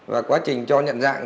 và quá trình cho nhận dạng